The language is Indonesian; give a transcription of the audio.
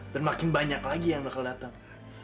dan makin banyak lagi yang bakal datang